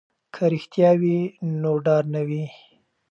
که رښتیا وي نو ډار نه وي.